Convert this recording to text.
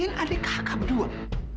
masa kau keluar